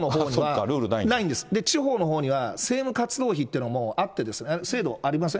地方のほうには政務活動費っていうのがあって、制度、ありません？